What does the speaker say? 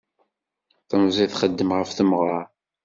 Temẓi txeddem ɣef temɣeṛ.